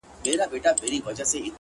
ستا د شعر دنيا يې خوښـه سـوېده ـ